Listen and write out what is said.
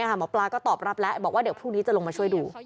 หมอปลาก็ตอบรับแล้วบอกว่าเดี๋ยวพรุ่งนี้จะลงมาช่วยดู